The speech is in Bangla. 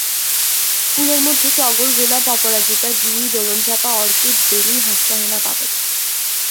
ফুলের মধ্যে টগর, গোলাপ, অপরাজিতা, জুই, দোলনচাঁপা, অর্কিড, বেলি, হাসনাহেনা পাবেন।